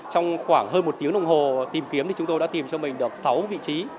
trong khoảng hơn một tiếng đồng hồ tìm kiếm thì chúng tôi đã tìm cho mình được sáu vị trí